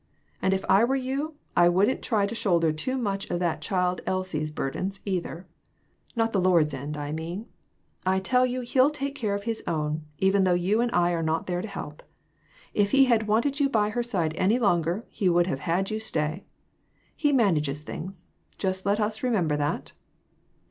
And if I were you, I wouldn't try to shoulder too much of that child Elsie's burdens, either not the Lord's end, I mean. I tell you He'll take care of his own, even though you and I are not there to help. If he had wanted you by her side any longer he would have had you stay. He manages things; just let us remember that."